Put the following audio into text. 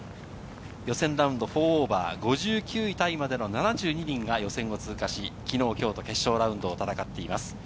予選ラウンド＋４、５９位タイまでの７２人が予選を通過し、きのう、きょうと決勝ラウンドを戦っています。